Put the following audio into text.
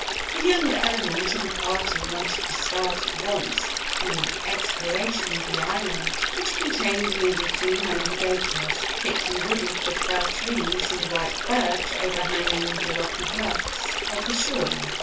The younger element in the party wanted to start at once on an exploration of the island, which contained nearly two hundred acres, thickly wooded with fir trees and white birch overhanging the rocky bluffs of the shore.